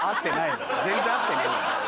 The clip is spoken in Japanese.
全然合ってないよ。